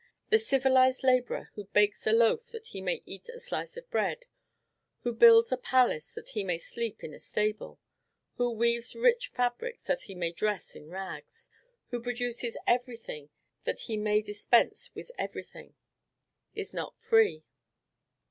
The civilized laborer who bakes a loaf that he may eat a slice of bread, who builds a palace that he may sleep in a stable, who weaves rich fabrics that he may dress in rags, who produces every thing that he may dispense with every thing, is not free.